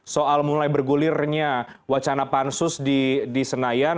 soal mulai bergulirnya wacana pansus di senayan